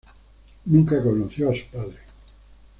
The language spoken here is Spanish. Nunca conoció a su padre.